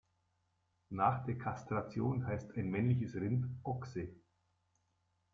Nach der Kastration heißt ein männliches Rind Ochse.